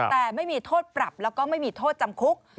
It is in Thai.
แต่ไม่มีโทษปรับแล้วก็ไม่มีโทษจำคุก